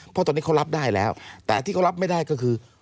เพราะตอนนี้เขารับได้แล้วแต่ที่เขารับไม่ได้ก็คือ